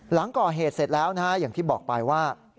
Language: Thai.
หลังก่อเหตุเสร็จแล้วนะฮะอย่างที่บอกไปว่า